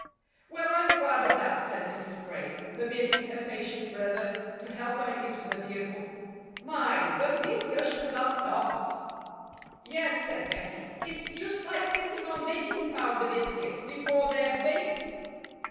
"Well, I'm glad of that," said Mrs. Crane, permitting her patient brother to help her into the vehicle. "My! but these cushions are soft." "Yes," said Bettie, "it's just like sitting on baking powder biscuits before they're baked."